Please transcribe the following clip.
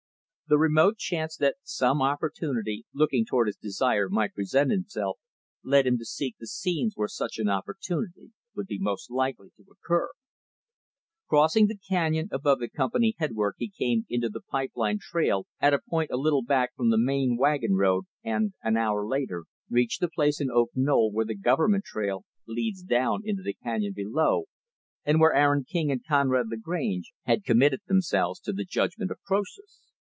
The remote chance that some opportunity looking toward his desire might present itself, led him to seek the scenes where such an opportunity would be most likely to occur. Crossing the canyon above the Company Headwork he came into the pipe line trail at a point a little back from the main wagon road and, an hour later, reached the place on Oak Knoll where the Government trail leads down into the canyon below, and where Aaron King and Conrad Lagrange had committed themselves to the judgment of Croesus.